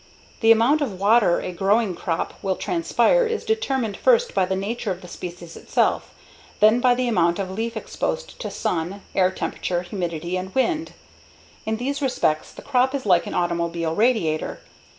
The amount of water a growing crop will transpire is determined first by the nature of the species itself, then by the amount of leaf exposed to sun, air temperature, humidity, and wind. In these respects, the crop is like an automobile radiator.